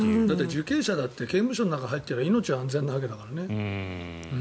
受刑者だって刑務所の中に入っていたら命は安全なわけだからね。